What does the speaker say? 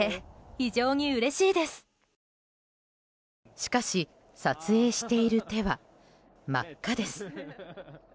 しかし、撮影している手は真っ赤です。